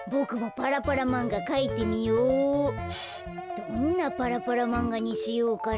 どんなパラパラまんがにしようかな。